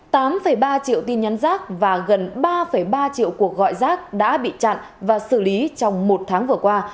ba ba triệu tin nhắn giác và gần ba ba triệu cuộc gọi giác đã bị chặn và xử lý trong một tháng vừa qua